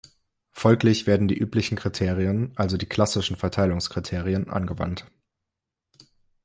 Folglich werden die üblichen Kriterien, also die klassischen Verteilungskriterien angewandt.